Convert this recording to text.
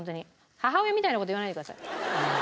母親みたいな事言わないでください。